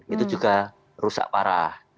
itu juga rusak parah